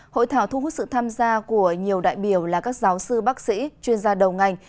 hội thảo thu hút sự tham gia của nhiều đại biểu là các giáo sư bác sĩ chuyên gia đầu ngành